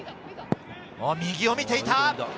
右を見ていた。